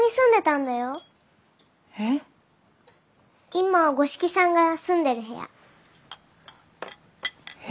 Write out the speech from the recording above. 今五色さんが住んでる部屋。え？